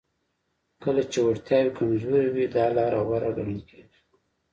کله چې وړتیاوې کمزورې وي دا لاره غوره ګڼل کیږي